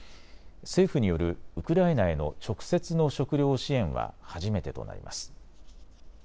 政府によるウクライナへの直接の食料支援は初めてとなります。